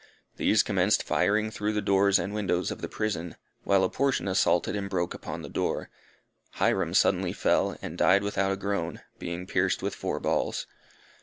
These commenced firing through the doors and windows of the prison, while a portion assaulted and broke open the door. Hyrum suddenly fell, and died without a groan, being pierced with four balls.